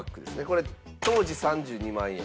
これ当時３２万円。